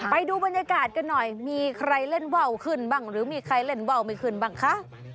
ไปดูบรรยากาศกันหน่อยมีใครเล่นว่าวขึ้นบ้างหรือมีใครเล่นว่าวไม่ขึ้นบ้างคะ